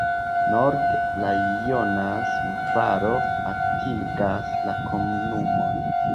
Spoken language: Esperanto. Norde la Jonas-valo atingas la komunumon.